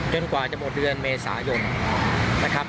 กว่าจะหมดเดือนเมษายนนะครับ